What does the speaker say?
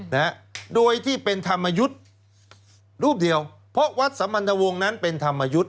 นะฮะโดยที่เป็นธรรมยุทธ์รูปเดียวเพราะวัดสัมพันธวงศ์นั้นเป็นธรรมยุทธ์